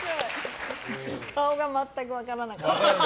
顔が全く分からなかった。